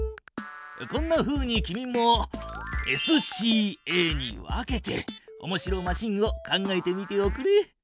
こんなふうに君もＳＣＡに分けておもしろマシンを考えてみておくれ。